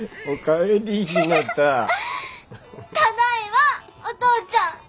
お父ちゃん。